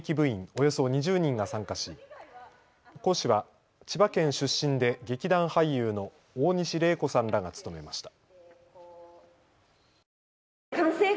およそ２０人が参加し講師は千葉県出身で劇団俳優の大西玲子さんらが務めました。